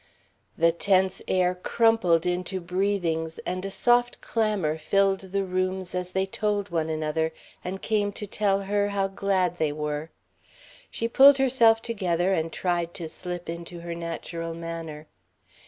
The tense air crumpled into breathings, and a soft clamour filled the rooms as they told one another, and came to tell her how glad they were. She pulled herself together and tried to slip into her natural manner.